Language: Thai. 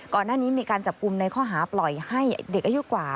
ก่อนหน้านี้มีการจับกลุ่มในข้อหาปล่อยให้เด็กอายุกว่า